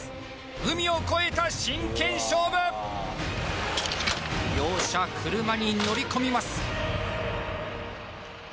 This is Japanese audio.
海を越えた真剣勝負両者車に乗り込みます